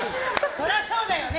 そりゃそうだよね。